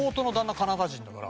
カナダ人だから。